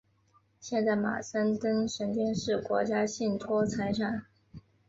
现在马森登神殿是国家信托财产。